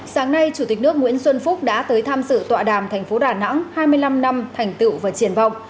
sáng nay chủ tịch nước nguyễn xuân phúc đã tới tham dự tọa đàm thành phố đà nẵng hai mươi năm năm thành tựu và triển vọng